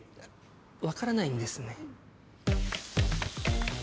分からないんですね？